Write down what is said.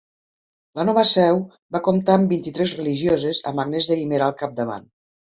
La nova seu va comptar amb vint-i-tres religioses amb Agnès de Guimerà al capdavant.